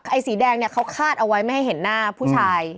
ไอ้สีแดงเนี่ยเขาคาดเอาไว้ไม่ให้เห็นหน้าผู้ชาย